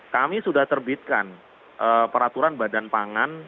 kami sudah terbitkan peraturan badan pangan